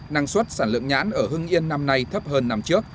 năng suất sản lượng nhãn ở hưng yên năm nay thấp hơn năm trước